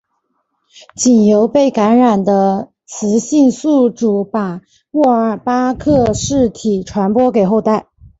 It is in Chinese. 仅由被感染的雌性宿主把沃尔巴克氏体传播给后代。